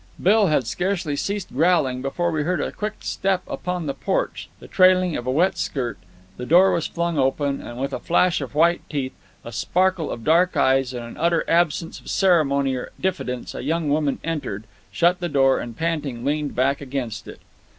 Bill had scarcely ceased growling before we heard a quick step upon the porch, the trailing of a wet skirt, the door was flung open, and with flash of white teeth, a sparkle of dark eyes, and an utter absence of ceremony or diffidence, a young woman entered, shut the door, and, panting, leaned back against it.